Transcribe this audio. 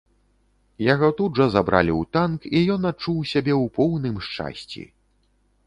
Яго тут жа забралі ў танк, і ён адчуў сябе ў поўным шчасці.